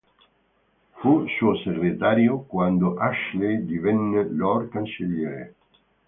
Fu suo segretario quando Ashley divenne Lord cancelliere.